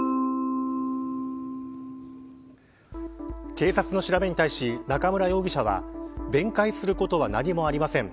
警察の調べに対し中村容疑者は弁解することは何もありません。